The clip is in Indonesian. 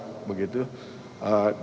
jadi rutenya itu dilakukan secara zigzag